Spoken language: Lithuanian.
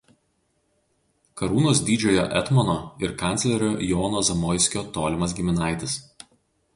Karūnos didžiojo etmono ir kanclerio Jono Zamoiskio tolimas giminaitis.